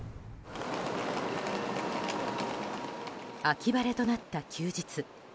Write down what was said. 秋晴れとなった休日。